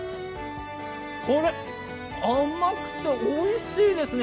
これ、甘くておいしいですね。